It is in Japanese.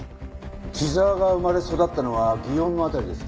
木沢が生まれ育ったのは園の辺りです。